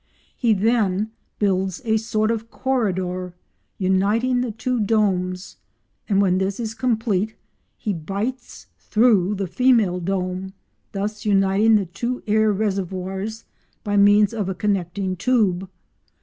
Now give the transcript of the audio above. He then builds a sort of corridor uniting the two domes, and when this is complete he bites through the female dome, thus uniting the two air reservoirs by means of a connecting tube.